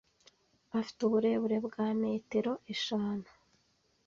Afite uburebure bwa metero eshanu.